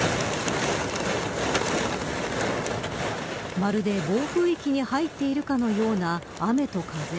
まるで暴風域に入っているかのような雨と風。